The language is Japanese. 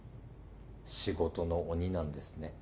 仕事の鬼なんですね。